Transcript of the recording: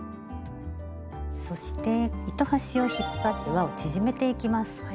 そして糸端を引っ張ってわを縮めていきます。